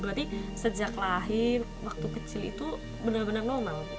berarti sejak lahir waktu kecil itu benar benar normal